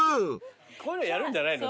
こういうのやるんじゃないの？